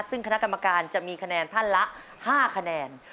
ซึ่งคณะกรรมการจะมีคะแนนท่านละ๕คะแนน